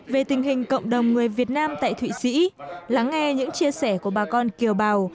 về tình hình cộng đồng người việt nam tại thụy sĩ lắng nghe những chia sẻ của bà con kiều bào